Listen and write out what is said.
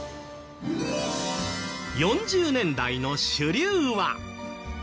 ４０年代の主流は。